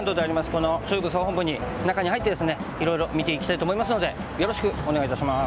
この中部総本部に中に入ってですねいろいろ見ていきたいと思いますのでよろしくお願いいたします。